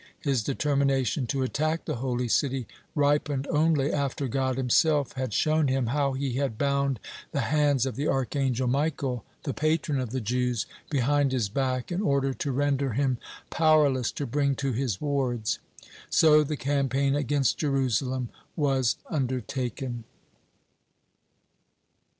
His determination to attack the Holy City ripened only after God Himself had shown him how He had bound the hands of the archangel Michael, the patron of the Jews, behind his back, in order to render him powerless to bring to his wards. So the campaign against Jerusalem was undertaken.